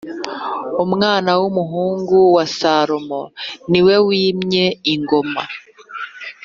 Umwana w’umuhungu wa salomo niwe wimye ingoma